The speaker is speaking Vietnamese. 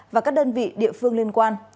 và các đơn vị địa phương liên quan